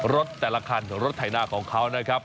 รถแต่ละขั้นรถไถ่หน้าของเขาเนี่ยครับ